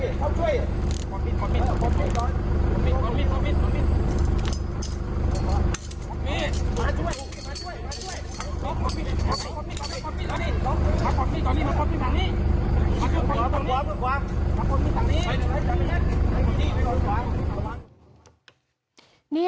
มาขอบพิษตรงนี้มาขอบพิษตรงนี้